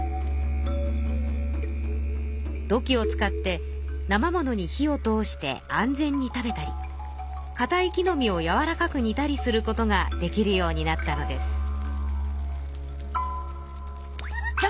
土器を使ってなま物に火を通して安全に食べたり固い木の実をやわらかくにたりすることができるようになったのです。